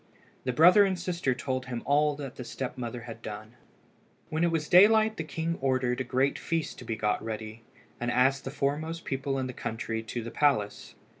The brother and sister told him all that the step mother had done. When it was daylight the king ordered a great feast to be got ready, and asked the foremost people in the country to the palace.